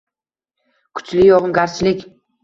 Kuchli yogʻingarchilik